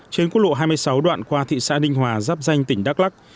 trên quốc lộ hai mươi sáu đoạn qua thị xã ninh hòa giáp danh tỉnh đắk lắc